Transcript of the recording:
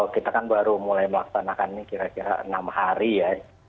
kita kan baru mulai melaksanakan ini kira kira enam hari ya